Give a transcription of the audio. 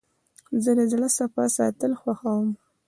زه د زړه صفا ساتل خوښوم.